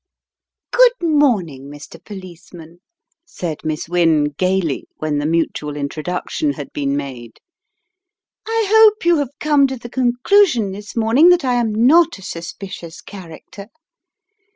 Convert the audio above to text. "Good morning, Mr. Policeman," said Miss Wynne, gaily, when the mutual introduction had been made. "I hope you have come to the conclusion this morning that I am not a suspicious character.